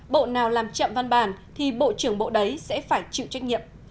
bộ nào làm chậm văn bản thì bộ trưởng bộ đấy sẽ phải chịu trách nhiệm